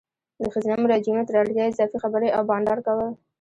د ښځینه مراجعینو تر اړتیا اضافي خبري او بانډار کول